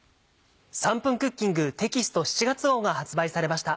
『３分クッキング』テキスト７月号が発売されました。